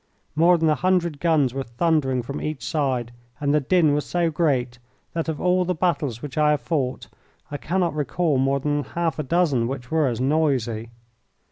More than a hundred guns were thundering from each side, and the din was so great that of all the battles which I have fought I cannot recall more than half a dozen which were as noisy.